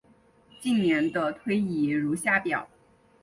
近年的推移如下表。